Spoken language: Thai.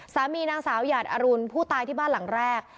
นางสาวหยาดอรุณผู้ตายที่บ้านหลังแรก